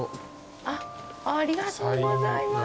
ありがとうございます。